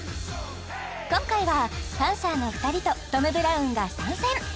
今回はパンサーの２人とトム・ブラウンが参戦